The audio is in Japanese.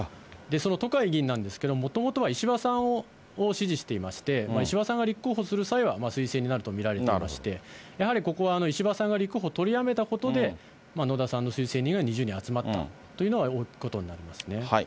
そのとかい議員なんですけれども、もともとは石破さんを支持していまして、石破さんが立候補する際には、推薦人になると見られていまして、やはりここは石破さんが立候補を取りやめたことで、野田さんの推薦人が２０人集まったということになりますね。